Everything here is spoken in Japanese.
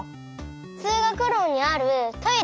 つうがくろにあるトイレだよ。